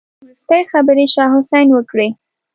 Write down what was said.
وروستۍ خبرې شاه حسين وکړې.